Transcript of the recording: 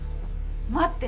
待って！